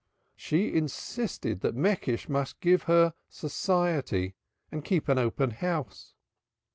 She insisted that Meckisch must give her "Society" and keep open house.